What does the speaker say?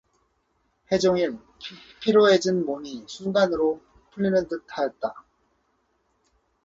해종일 피로해진 몸이 순간으로 풀리는 듯하였다.